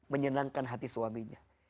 menyenangkan hati suaminya